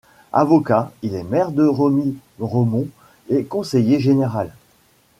Avocat, il est maire de Remiremont et conseiller général.